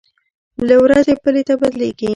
له ورځې بلې ته بدلېږي.